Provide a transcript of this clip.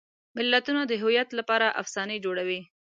ملتونه د هویت لپاره افسانې جوړوي.